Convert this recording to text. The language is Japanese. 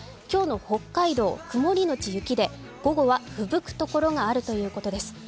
今日の北海道、曇りのち雪で午後はふぶくところがあるということです。